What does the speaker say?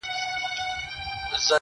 o دا ئې گز، دا ئې ميدان.